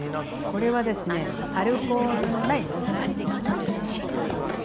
これはですねアルコールのないモヒート。